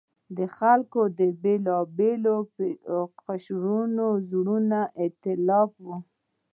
د خلکو د بېلابېلو اقشارو زړور اېتلاف و.